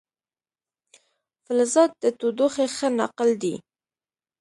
فلزات د تودوخې ښه ناقل دي.